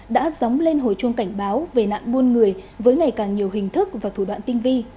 đã dóng lên hồi chuông cảnh báo về nạn buôn người với ngày càng nhiều hình thức và thủ đoạn tinh vi